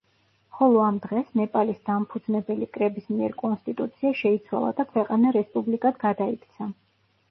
ხოლო ამ დღეს, ნეპალის დამფუძნებელი კრების მიერ კონსტიტუცია შეიცვალა და ქვეყანა რესპუბლიკად გადაიქცა.